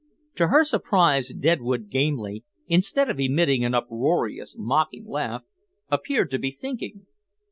To her surprise Deadwood Gamely, instead of emitting an uproarious, mocking laugh, appeared to be thinking.